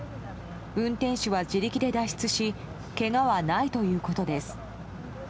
運転手は自力で脱出しけがはないということです。